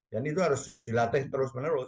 dan itu harus dilatih terus menerus